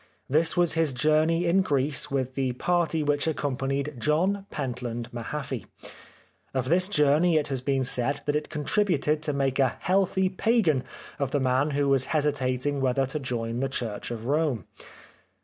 This was his journey in Greece with the party which accompanied John Pentland Mahaffy. Of this journey it has been said that it contributed to make a " healthy Pagan " of the man who was hesitating whether to join the Church of Rome.